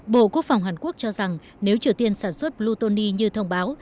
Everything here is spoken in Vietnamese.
bộ quốc phòng hàn quốc cho rằng nếu triều tiên sản xuất blutony như thông báo